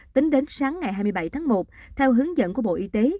tính đến sáng ngày hai mươi bảy tháng một theo hướng dẫn của bộ y tế